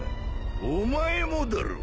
お前もだろ？